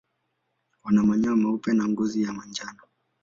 Wana manyoya meupe na ngozi ya manjano.